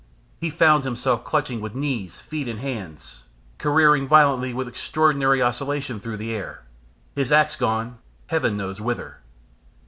He found himself clutching with knees, feet, and hands, careering violently with extraordinary oscillation through the air his axe gone heaven knows whither.